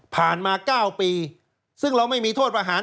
มา๙ปีซึ่งเราไม่มีโทษประหาร